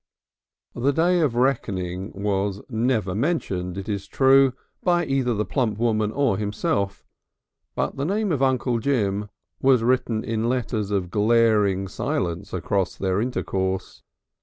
The day of reckoning was never mentioned, it is true, by either the plump woman or himself, but the name of Uncle Jim was written in letters of glaring silence across their intercourse.